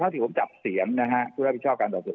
เท่าที่ผมจับเสียงนะฮะผู้รับผิดชอบการต่อถึง